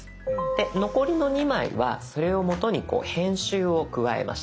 で残りの２枚はそれを元にこう編集を加えました。